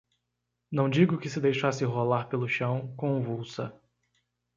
não digo que se deixasse rolar pelo chão, convulsa